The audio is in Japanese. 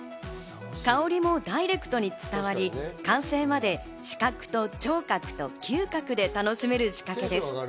香りもダイレクトに伝わり、完成まで視覚と聴覚と嗅覚で楽しめる仕掛けです。